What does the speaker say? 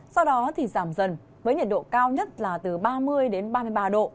sau đó thì giảm dần với nhiệt độ cao nhất là từ ba mươi đến ba mươi ba độ